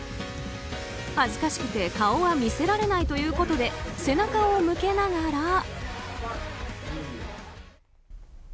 恥ずかしくて顔は見せられないということで背中を向けながら。